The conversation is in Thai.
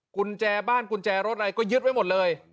กุญแจบ้านกุญแจรถอะไรก็ยึดไว้หมดเลย